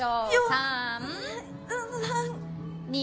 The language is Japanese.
３！２。